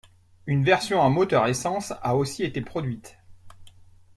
Une version à moteur essence a aussi été produite.